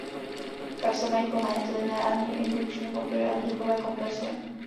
Kapsle mají pohánět lineární indukční motory a vzduchové kompresory.